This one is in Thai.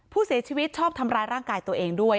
ผู้เสียชีวิตชอบทำร้ายร่างกายตัวเองด้วย